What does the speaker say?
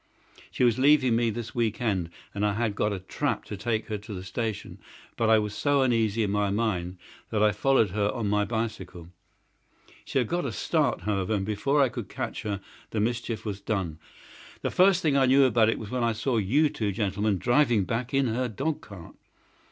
She was leaving me this week end, and I had got a trap to take her to the station, but I was so uneasy in my mind that I followed her on my bicycle. She had got a start, however, and before I could catch her the mischief was done. The first thing I knew about it was when I saw you two gentlemen driving back in her dog cart."